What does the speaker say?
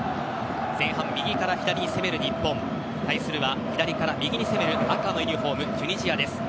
前半、右から左に攻める日本対するは、左から右に攻める赤のユニホーム、チュニジアです。